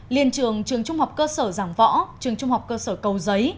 liên trường trường trung học cơ sở giảng võ trường trung học cơ sở cầu giấy